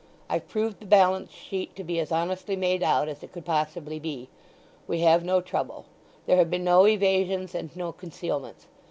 I've proved the balance sheet to be as honestly made out as it could possibly be; we have had no trouble; there have been no evasions and no concealments.